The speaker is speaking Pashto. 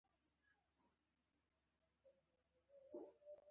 رینالډي وویل سلام رخصتې دې څنګه تېره کړه.